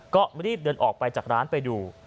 ก็รีบเดินออกไปจากร้านไปดู